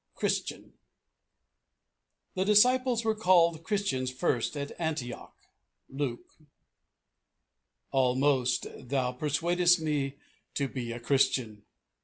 CHRISTIAN "The disciples were called Christians first at Antioch." Luke. "Almost thou persuadest me to be a Christian."